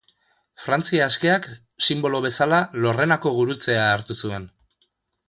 Frantzia Askeak sinbolo bezala Lorrenako Gurutzea hartu zuen.